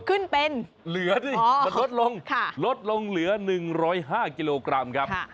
ขึ้นเป็นอ๋อค่ะรถลงเหลือ๑๐๕กิโลกรัมครับ